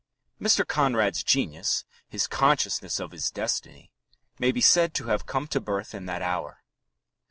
'" Mr. Conrad's genius, his consciousness of his destiny, may be said to have come to birth in that hour.